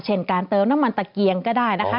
เช่นการเติมน้ำมันตะเกียงก็ได้นะคะ